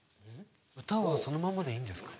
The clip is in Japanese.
歌はそのままでいいんですか？